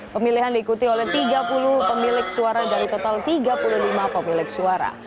pemilihan diikuti oleh tiga puluh pemilik suara dari total tiga puluh lima pemilik suara